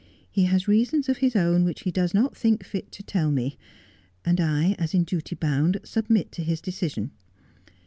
He has reasons of his own which he does not think fit to tell me, and I, as in duty bound, submit to his decision.